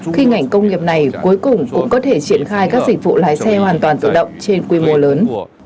khi ngành công nghiệp này cuối cùng cũng có thể triển khai các dịch vụ lái xe hoàn toàn tự động trên quy mô lớn